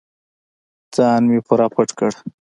ځان مې پوره پټ کړ.